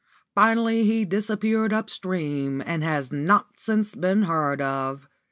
Finally he disappeared up stream, and has not since been heard of.